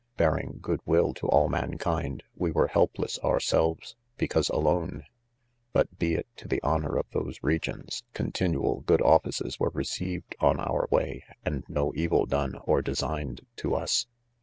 Bearing good ' will to all mankind, we were helpless ourselves, because alone. 5, but 'lie it t to" the 'honor of those region| 3 ,tio*i|tiniial good, offices , were, received on our way, and no evil, done ; or designed to us.